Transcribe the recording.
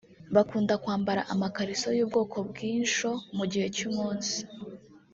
bakunda kwambara amakariso y’ubwoko bwinsho mu gihe cy’umunsi